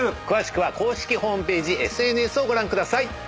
詳しくは公式ホームページＳＮＳをご覧ください。